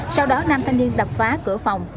sau đó nam thanh niên đập phá cửa phòng